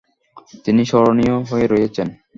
তিনি স্মরণীয় হয়ে রয়েছেন।